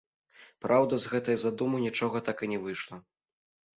Праўда, з гэтай задумы нічога так і не выйшла.